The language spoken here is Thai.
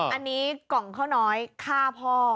อันนี้กล่องข้าวน้อยฆ่าพ่อ